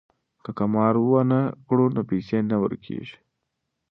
که قمار ونه کړو نو پیسې نه ورکيږي.